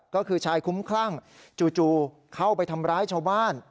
ก็คือชายคุ้มคลั่งจู่เข้าไปทำร้ายชาวบ้าน